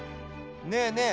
ねえねえ